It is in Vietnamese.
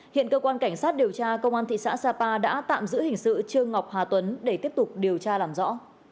hiện cơ quan cảnh sát điều tra công an thị xã sapa đã tạm giữ hình sự trương ngọc hà tuấn để tiếp tục điều tra làm rõ